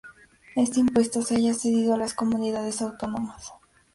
Este impuesto se halla cedido a las Comunidades Autónomas.